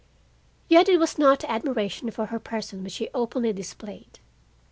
Yet it was not admiration for her person which he openly displayed.